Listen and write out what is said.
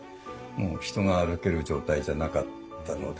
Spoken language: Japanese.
もう人が歩ける状態じゃなかったので。